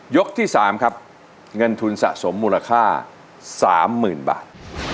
ที่๓ครับเงินทุนสะสมมูลค่า๓๐๐๐บาท